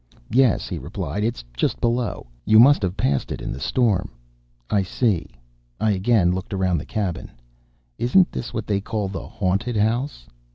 "'Yes,' he replied, 'it's just below. You must have passed it in the storm.' "'I see.' I again looked around the cabin. 'Isn't this what they call the haunted house?'